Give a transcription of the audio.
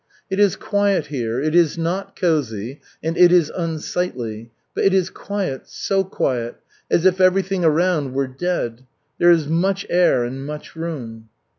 "It is quiet here, it is not cozy, and it is unsightly; but it is quiet, so quiet, as if everything around were dead. There is much air and much room."